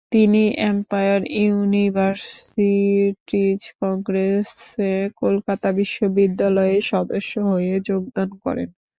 তিনি Empire Universities কংগ্রেসে কলকাতা বিশ্ববিদ্যালয়ের সদস্য হয়ে যোগদান করেন।